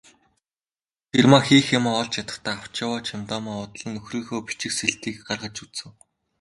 Цэрмаа хийх юмаа олж ядахдаа авч яваа чемоданаа уудлан нөхрийнхөө бичиг сэлтийг гаргаж үзэв.